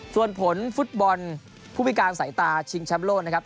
ส่วนผลฟุตบอลผู้พิการสายตาชิงแชมป์โลกนะครับ